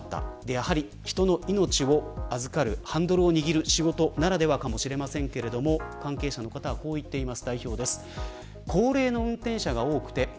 やはり、人の命をあずかるハンドルを握る仕事ならではかもしれませんが関係者の方はこう言っています。